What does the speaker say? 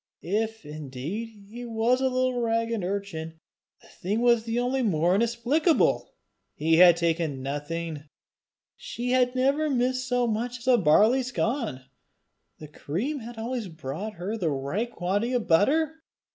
If indeed he was a little ragged urchin, the thing was only the more inexplicable! He had taken nothing! She had never missed so much as a barley scon! The cream had always brought her the right quantity of butter!